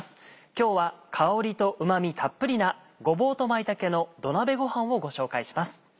今日は香りとうま味たっぷりな「ごぼうと舞茸の土鍋ごはん」をご紹介します。